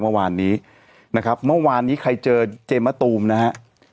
เมื่อวานนี้นะครับเมื่อวานนี้ใครเจอเจมะตูมนะฮะ